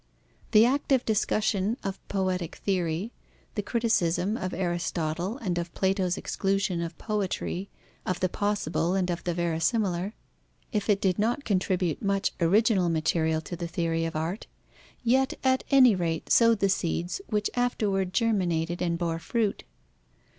The active discussion of poetic theory, the criticism of Aristotle and of Plato's exclusion of poetry, of the possible and of the verisimilar, if it did not contribute much original material to the theory of art, yet at any rate sowed the seeds which afterwards germinated and bore fruit.